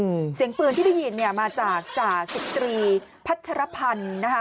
อืมเสียงปืนที่ได้ยินเนี่ยมาจากจ่าสิบตรีพัชรพันธ์นะคะ